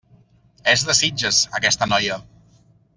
És de Sitges, aquesta noia.